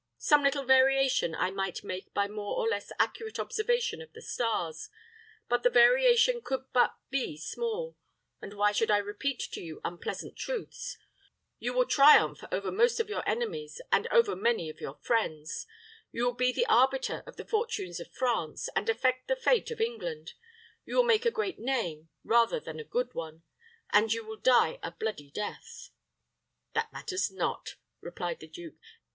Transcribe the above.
Some little variation I might make by more or less accurate observation of the stars; but the variation could but be small, and why should I repeat to you unpleasant truths. You will triumph over most of your enemies and over many of your friends. You will be the arbiter of the fortunes of France, and affect the fate of England. You will make a great name, rather than a good one; and you will die a bloody death." "That matters not," replied the duke.